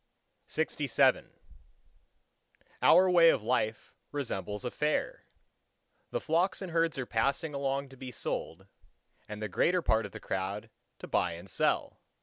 LXVIII Our way of life resembles a fair. The flocks and herds are passing along to be sold, and the greater part of the crowd to buy and sell.